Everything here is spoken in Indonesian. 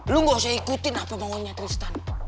lu gak usah ikutin apa maunya tristan